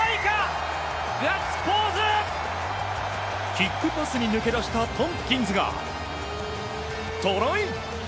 キックパスに抜け出したトンプキンズがトライ！